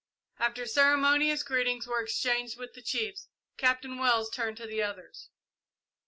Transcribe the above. After ceremonious greetings were exchanged with the chiefs, Captain Wells turned to the others.